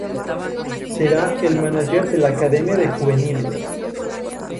Será el manager de la academia de juveniles.